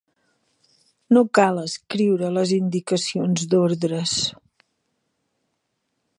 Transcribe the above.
No cal escriure les indicacions d'ordres.